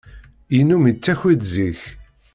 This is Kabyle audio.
Yennum yettaki-d zik.